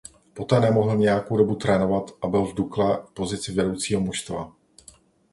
Poté nemohl nějakou dobu trénovat a byl v Dukle v pozici vedoucího mužstva.